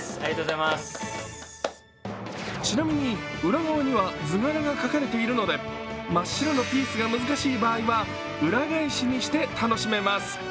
ちなみに、裏側には図柄が描かれているので、真っ白のピースが難しい場合は裏返しにして楽しめます。